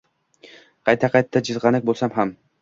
qayta-qayta jizgʼanak boʼlsam ham